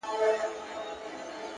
هره موخه د تمرکز او نظم غوښتنه کوي!.